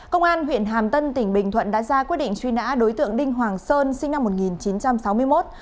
công an huyện hàm tân tỉnh bình thuận đã ra quyết định truy nã đối tượng đinh hoàng sơn sinh năm một nghìn chín trăm sáu mươi một